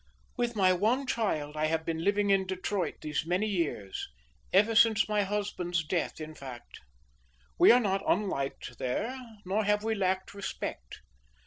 "With my one child I have been living in Detroit these many years, ever since my husband's death, in fact. We are not unliked there, nor have we lacked respect.